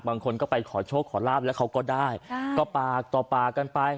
บางคนก็ไปขอโชคขอลาบแล้วเขาก็ได้ก็ปากต่อปากกันไป